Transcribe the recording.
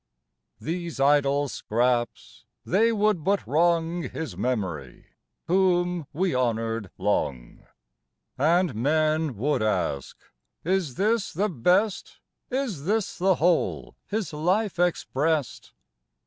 These idle scraps, they would but wrong His memory, whom we honored long; And men would ask: "Is this the best Is this the whole his life expressed?"